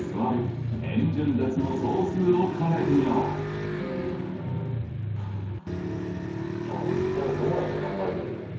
ではＡＢＣＤいやでもどうやって考えればいいんだろう？